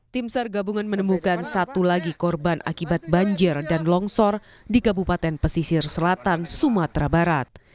tim sar gabungan menemukan satu lagi korban akibat banjir dan longsor di kabupaten pesisir selatan sumatera barat